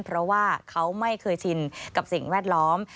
เพราะว่าเขาไม่เคยชินกับสิ่งแวดล้อม